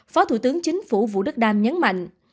phó thủ tướng chính phủ vũ đức đam nhấn mạnh